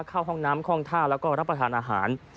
เข้าห้องน้ำคล่องท่าแล้วก็รับประทานอาหาร